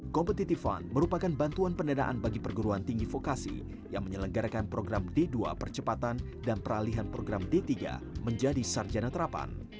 competitive fund merupakan bantuan pendanaan bagi perguruan tinggi vokasi yang menyelenggarakan program d dua percepatan dan peralihan program d tiga menjadi sarjana terapan